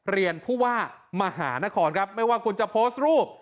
เรียนผู้ว่ามหานครครับไม่ว่าคุณจะโพสต์รูป